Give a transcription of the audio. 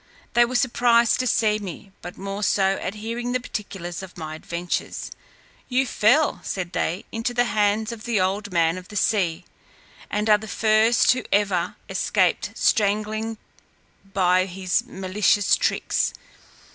They were surprised to see me, but more so at hearing the particulars of my adventures. "You fell," said they, "into the hands of the old man of the sea, and are the first who ever escaped strangling by his malicious tricks.